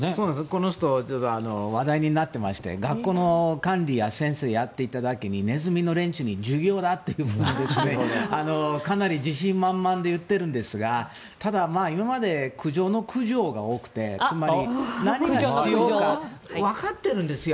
この人話題になっていまして学校の管理や先生をやっていただけにネズミの連中に授業だっていうことでかなり自信満々で言ってるんですがただ、今まで駆除の苦情が多くてつまり、何が必要かわかってるんですよ。